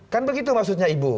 kan begitu maksudnya ibu